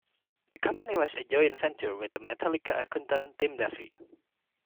The company was a joint venture with Metallica accountant Tim Duffy.